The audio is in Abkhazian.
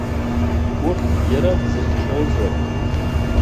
Урҭ иара дзыхьчоз ракәын.